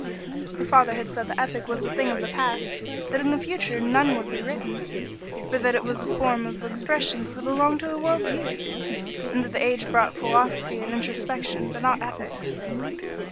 Her father had said the epic was a thing of the past, that in the future none would be written, for that it was a form of expressions that belonged to the world's youth, and that age brought philosophy and introspection, but not epics.